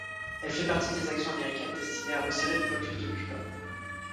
Elle fait partie des actions américaines destinées à resserrer le blocus de Cuba.